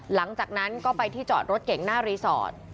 หลังจากนั้นก็ไปที่จอดรถเก่งหน้ารีสอร์ท